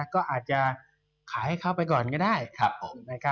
ก็อาจจะขายให้เขาไปก่อนก็ได้